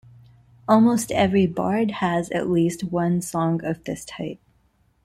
Almost every bard has at least one song of this type.